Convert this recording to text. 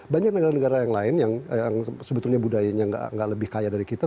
banyak negara negara yang lain yang sebetulnya budayanya nggak lebih kaya dari kita